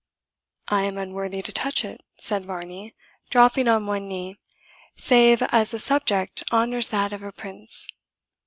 "I am unworthy to touch it," said Varney, dropping on one knee, "save as a subject honours that of a prince."